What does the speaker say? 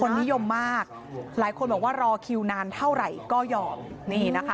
คนนิยมมากหลายคนบอกว่ารอคิวนานเท่าไหร่ก็ยอม